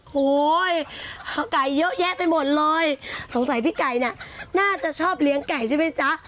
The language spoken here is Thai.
โหไก่เยอะแยะไปหมดเลยสงสัยพี่ไก่เนี่ยน่าจะชอบเลี้ยงไก่ใช่ไหมจ๊ะ